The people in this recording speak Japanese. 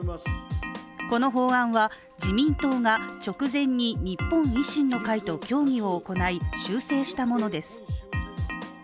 この法案は、自民党が直前に日本維新の会と協議を行い修正したものです。